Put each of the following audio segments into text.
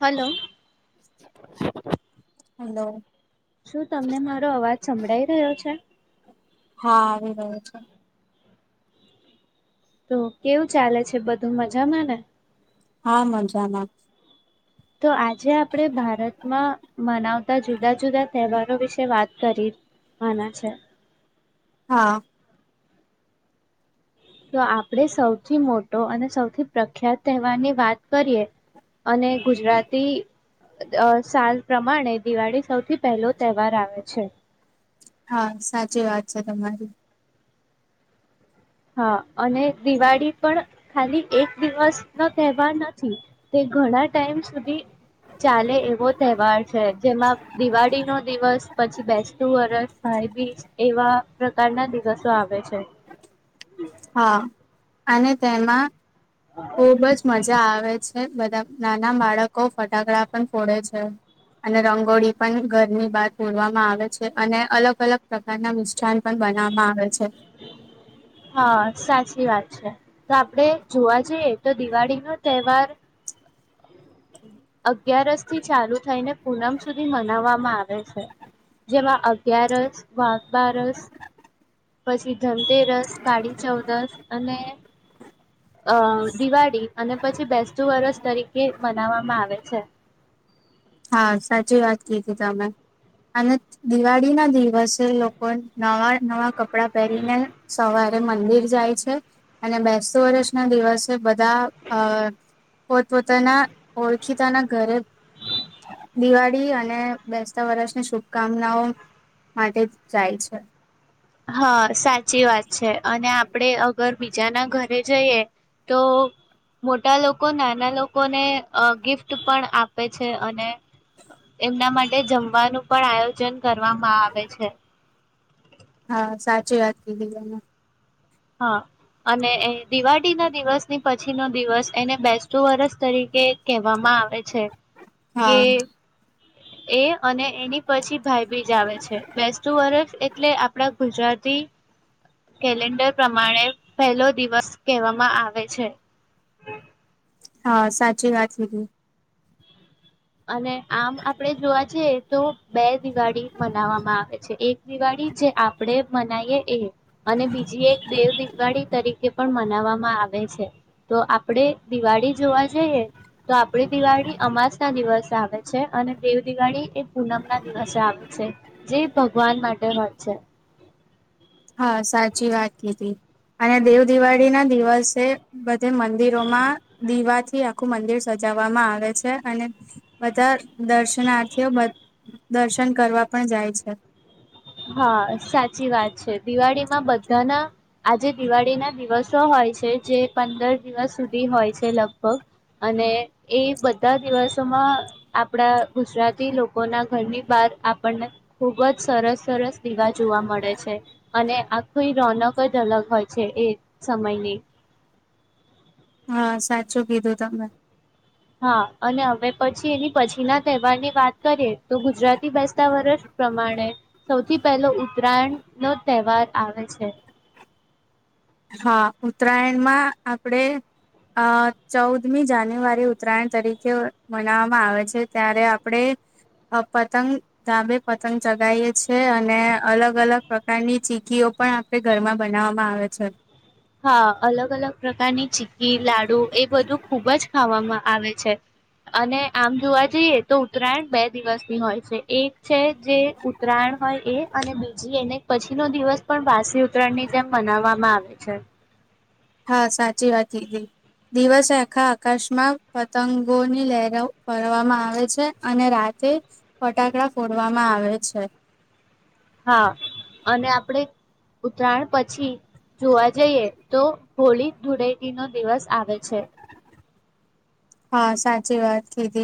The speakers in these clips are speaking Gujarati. હલો. હલો. શું તમને મારો અવાજ સંભળાઈ રહ્યો છે? હા આવી રહો છે. તો કેવું ચાલે છે બધું મજામાં ને? હા મજામાં. તો આજે આપણે ભારતમાં મનાવતા જુદા જુદા તહેવારો વિષય વાત કરી, આને છે. હા. તો આપણેે સૌથી મોટો અને સૌથી પ્રખ્યાત તહેવારની વાત કરીએ, અને ગુજરાતી અહ સાલ પ્રમાણે દિવાળી સૌ થી પહેલો તહેવાર આવે છે. હા, સાચી વાત છે તમારી. હા, અને દિવાળી પણ ખાલી એક દિવસ નો તહેવાર નથી, તે ઘણા ટાઈમ સુધી ચાલે એવો તહેવાર છે. જેમાં દિવાળી નો દિવસ, પછી બેસતું વરસ, ભાઈબીસ એવા પ્રકારના દિવસો આવે છે. હા. અને તેમાં ખુબ જ મજા આવે છે. બધા નાના બાળકો ફટાક હા સાચી વાત છે, તો આપડે જોવા જઈએ તો દિવાળી નો તહેવાર અગિયારસ થી ચાલુ થઈને પૂનમ સુધી મનાવવામાં આવે છે, જેમાં અગ્યારસ વાઘ બારસ પછી ધનતેરસ, કાળી ચૌદસ અને અ દિવાળી અને પછી બેસતું વરષ તરીકે મનાવવામાં આવે છે. હા સાચી વાત કીધી તમે, અને દિવાળી ના દિવસે લોકો નવા નવા કપ કપડાં પહેરીને સવાર ને મંદિર જાય છે, અને બેસતું વર્ષ ના દિવસે બા ધા આ પોતપોતાના ઓળખીતાના ઘરે દિવાળી અને બેસતા વરષની શુભકામનાઓ માટે જાય છે. હા સાચી વાત છે અને આપણે અગર બીજાના ઘરે જઈએ, તો મોટા લોકો નાના લોકોને ગિફ્ટ પણ આપે છે અને, એમના માટે જમવાનું પણ આયોજન કરવામાં આવે છે. હા સાચી વાત કધી તમે. હા અને દિવાળી ના દિવસની પછી નો દિવસ એને બેસતું વરસ તરીકે કહેવામાં આવે છે, કે હા એ અને એની પછી ભાઈ બીજ આવે છે, બેસતું વર્ષ એટલે આપણા ગુજરાતી કેલેન્ડર પ્રમાણે પહેલો દિવસ કહેવામાં આવે છે. હા સાચી વાત કીધી. અને આમ આપડે જોવા જએ તો બે દિવાળી મનાવામાં આવે છે, એક દિવાળી જે આપણેે મનાવીએ એ અને બીજી એક દેવ દિવાળી તરીકે પણ મ નાવામાં આવે છે, તો આપણેે દિવાળી જોવા જઈએ તો આપડી દિવાળી અમાસ ના દિવસ આવે છે અને દેવ દિવાળી એ પૂનમ ના દિવસે આવે છે, જે ભગવાન માટે વાત છે. હા સાચી વાત કીધી, અને દેવ દિવાળી ના દિવસે બધે મંદિરોમાં દીવાથી આખું મંદિર સજાવવામાં આવે છે અને, બધા દર્શનાર્થીઓ દર્શન કરવા પણ જાય છે. હા સાચી વાત છે. દિવાળીમાં બધાના આજે દિવાળીના દિવસો હોય છે જે પંદર દિવસ સુધી હોય છે લગભગ, અને એ બધા દિવસોમાં આપણા ગુજરાતી લોકોના ઘરની બહાર આપણને ખૂબ જ સરસ. સરસ દીવા જોવા મળે છે અને આખી રોનક જ અલગ હોય છે એ સમયની. હા સાચું કીધું તમે. હા અને હવે પછી એની પછી ના તહેવાર ની વાત કરીએ તો ગુજરાતી બેસતા વરષ પ્રમાણે સૌથી પહેલો ઉત્તરાયણ નો તહેવાર આવે છે. હા ઉત્તરાયણમાં આપણે અ ચૌદમી જાન્યુઆરી ઉત્તરાયણ તરીકે મનાવવામાં આવે છે, ત્યારે આપણે પતંગ ધાબે પતંગ ચગાવએ છ છેએ અને અલગ અલગ પ્રકારની ચીકીઓ પણ આપણે ઘરમાં બનાવવામાં આવે છે. હા અલગ અલગ પ્રકારની ચી્કી, લાડુ એ બધું ખુબ જ ખાવામાં આવે છે અને આમ જોવા જઈએ તો ઉત્તરાયણ બે દિવસની હોય છે, એક છે જે ઉત્તરાયણ હોય એ અને બીજી એને પછીનો દિવસ પણ વાસી ઉત્તરાયણની જેમ મનાવવામાં આવે છે. હા સાચી વાત કીધી દિવસે આખા આકાશમાં પતંગોની લહેર ફરવામાં આવે છે અને રાતે ફટાકડા ફોડવામાં આવે છે. હા અને આપણે ઉતરાયણ પછી જોવા જઈએ તો હોળી ધુળેટી નો દિવસ આવે છે. હા સાચી વાત કીધી.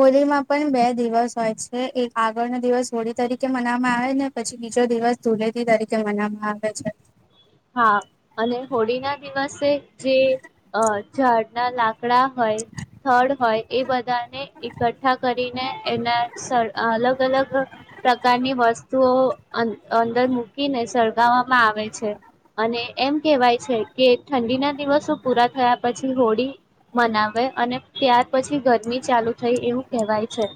હોળીમાં પણ બે દિવસ હોય છે એક આગળનો દિવસ હોળી તરીકે મનાવામાં આવે ને પછી બીજો દિવસ ધુલેથી તરીકે મનાવામાં આવે છે. હા અને હોળી ના દિવસે જે અહ ઝાડના લા કડા હોય, થડ હોય એ બધાને એખઠા કરીને એના સર અહ અલગ અલગ પ્રકારની વસ તોઓ અં-અંદર મૂકીને સળગાવામાં આવે છે. અને એમ કેહેવાય છે કે ઠંડીના દિવસો પૂરા થયા પછી હોળી મનાવે અને ત્યાર પછી ગરમી ચાલુ થઈ એવું કહેવાય છે.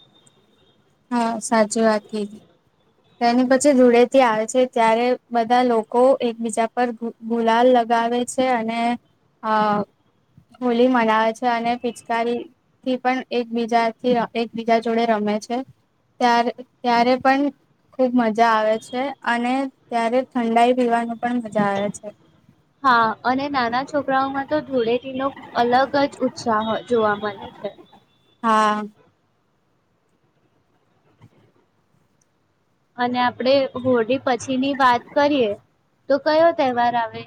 હા, સાચી વાત કીધી. તેની પછી ધૂળેથી આવે છે ત્યારે બધા લોકો એકબીજા પર ગુ-ગુલાલ લગાવે છે અને આહ હોલી મનાવે છે અને પિચકારીથી પણ એકબીજાથી અહ એકબીજા જોડે રમે છે. ત્યારે-ત્યારે પણ ખુબ મજા આવે છે અને ત્યારે ઠંડાઈ પીવાનું પણ મજા આવે છે. હા, અને નાના છોકરાઓમાં તો ધૂડેથી નો અલગ જ ઉત્સાહ હો જોવા મળે છે. હા અને આપડે હોળી પછીની વાત કરીએ તો કયો તહેવાર આવે?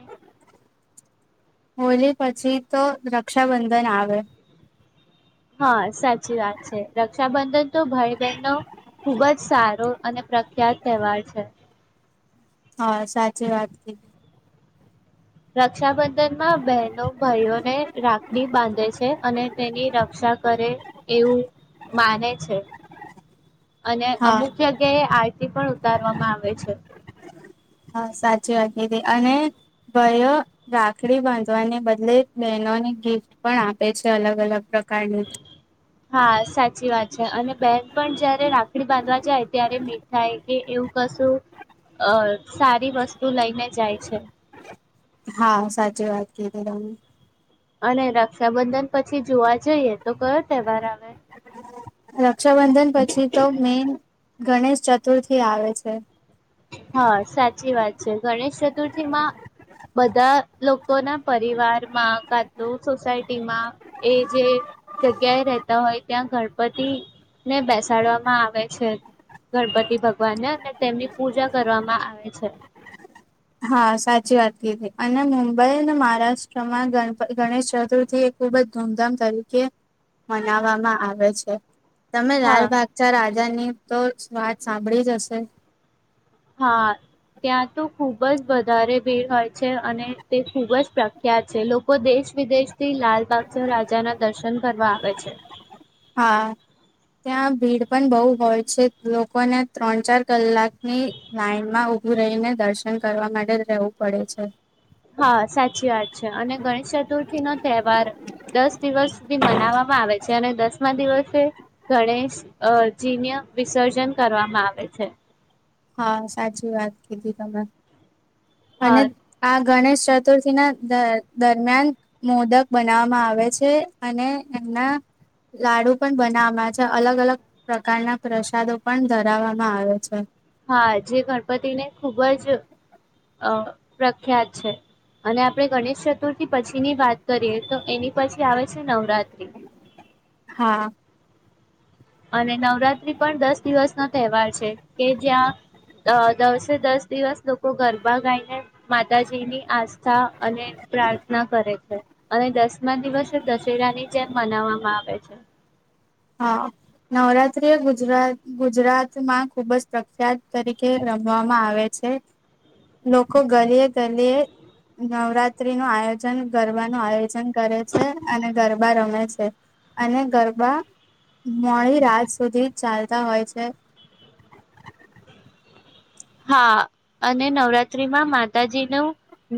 હોલી પછી તો રક્ષાબંધન આવે. હા, સાચી વાત છે. રક્ષાબંધન તો ભાઈ બહેન નો ખુબ જ સારો અને પ્રખ્યાત તહેવાર છે. હા, સાચી વાત કીધી. રક્ષાબંધનમાં બહેનો ભાઈઓને રાખડી બાંધે છે અને તેની રક્ષા કરે એવું માને છે. અને હા અમુક જગ્યાએ આરતી પણ ઉતારવામાં આવે છે. હા સાચી વાત કીઘી અને ભાઈઓ રાખડી બાંધવાને બદલે બહેનોને ગિફ્ટ પણ આપે છે. અલગ-અલગ પ્રકાર હા સાચી વાત છે અને બેન પણ જયારે રાખડી બાંધવા જાય ત્યારે મીઠાઈ કે એવું કશું અ સારી વસ્તુ લઈને જાય છે. હા સાચી વાત કી હમ. અને રક્ષાબંધન પછી જોવા જ જઈએ તો કયો તહેવાર આવે? રક્ષાબંધન પછી તો મેન ગણેશ ચતુર્થી આવે છે. હા, સાચી વાત છે. ગણેશ ચતુર્થીમાં બધા લોકોના પરિવારમાં કા તું સોસાયટીમાં એ જે જગ્યાએ રહેતા હોય ત્યાં ગણપતિ ને બેસાડવામાં આવે છે. ગણપતિ ભગવાનને અને તેમની પૂજા કરવામાં આવે છે. હા, સાચી વાત કીધી. અને મુંબઈ અને મહારાષ્ટ્રમાં ગણપ-ગણેશ ચતુર્થી એ ખૂબ જ ધૂમધામ તરીકે મનાવામાં આવે છે. તમે લાલ હા ભાગચાર આ રાજા ની તોજ વાત સાંભળી જ હશે. ખુબજ વધારે ભીડ હોય છે અને તે ખૂબજ પ્રખ્યાત છે. લોકો દેશ વિદેશ થી લાલબાગ ચ રાજાના દર્શન કરવા આવે છે. હા ત્યાં ભીડ પણ બહુ હોય છે લોકોને ત્રણ ચાર કલાકની લાઈનમાં ઊભું રહીને દર્શન કરવા માટે રહેવું પડે છે. હા સાચી વાત છે અને ગણેશ ચતુર્થી નો તહેવાર દસ દિવસ સુધી મનાવવામાં આવે છે અને દસમા દિવસે ગણેશજીને વિસર્જન કરવામાં આવે છે. હા સાચી વાત કીધી તમે. અને હા આ. ગણેશ ચતુર્થી ના દ દરમિયાન મોદક બનાવામાં આવે છે અને એમના લાડુ પણ બનાવામાં છે અલગ અલગ પ્રકારના પ્રસાદો પણ ધરાવવામાં આવે છે. હા જે ગણપતિને ખુબ જ અ પ્રખ્યાત છે અને આપણે ગણેશ ચતુર્થી પછી ની વાત કરીએ તો એની પછી આવે છે નવરાત્ર. હા. અને નવરાત્રી પણ દસ દિવસનો તહેવાર છે કે જ્યાં દસે દસ દિવસ લોકો ગરબા ગાઈને માતાજીની આસ્થા અને પ્રાર્થના કરે છે અને દસમા દિવસે દશેરાની જેમ મનાવવામાં આવે છે. હા નવરાત્રી ગુજરાત ગુજરાતમાં ખુબ જ પ્રખ્યાત તરીકે રમવામાં આવે છે લોકો ગલીએ ગલીયએ નવરાત્રી નું આયોજન ગરબા નું આયોજન કરે છે અને ગરબા રમે છે અને ગરબા. મોડી રાત સુધી ચાલતા હોય છે. હા અને નવરાત્ર્રીમાં માતાજી ન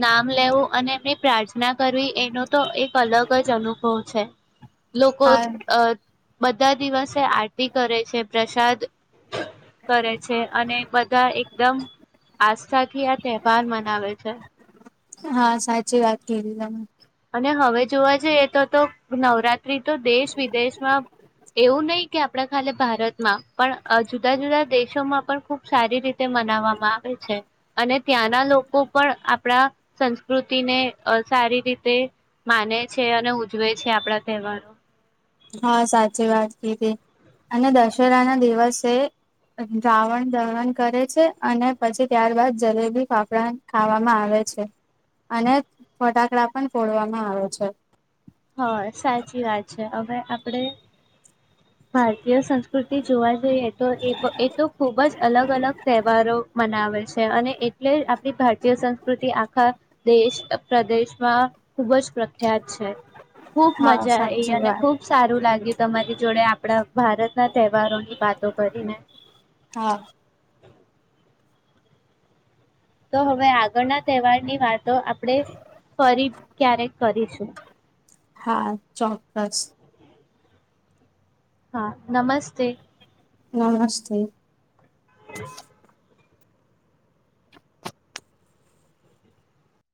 નામ લેવું અને એમની પ્રાર્થના કરવી એનો તો એક અલગ જ અનુભવ છે. લોકો હા અ. બધા દિવસે આરતી કરે છે પ્રસાદ. કરે છે અને બધા એક. આસ્થાથી આ તહેવાર મનાવે છે. હા સાચી વાત કે તમે. અને હવે જોવા જઈએ તો તો નવરાત્રી તો દેશ વિદેશમાં એવું નહી કે આપણા ખા ભારતમાં પણ જુદા જુદા દેશોમાં પણ ખુબ સારી રીતે મનાવવામાં. આવે છે અને. ત્યાંના લોકો પણ આપણા સંસ્કૃતિને સારી રીતે. તે માને છે અને ઉજવે છે આપણા તહેવારો. હા સાચી વાત કીધી અને દશેરા ના દિવસે રાવણ દહણ કરે છે અને પછી ત્યારબાદ જલેબી ફાફડા ખાવામાં આવે છે, અને ફટાકડા પણ ફોડવામાં આવે છે. હ સાચી વાત છે હવે. આપણેે. ભારતીય સંસ્કૃતિ જોવા જઈએ તો એ એ તો ખૂબ જ અલગ અલગ તહેવારો મનાવે છે અને એટલે આપણી ભારતીય સંસ્કૃતિ આખા દેશ પ્રદેશમાં. ખુબ જ પ્રખ્યાત છે, ખુબ હા મજા એ સાચી અને વાત ખુબ સારું લાગ્યું. તમારી જોડે. આપણા ભારત ના તહેવારો. વાતો કરીને. હા તો હવે આગળના તહેવારની વાતો આપણેે ફરી ક્યારેક કરીશું. હા ચોક્કસ. હા નમસ્તે. નમસ્તે.